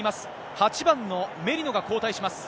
８番のメリノが交代します。